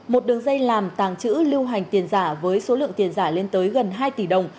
một đường dây làm tàng trữ lưu hành tiền giả với số lượng tiền giả lên tới gần hai tỷ đồng